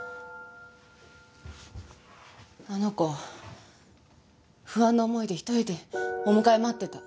あの子不安な思いで一人でお迎え待ってた。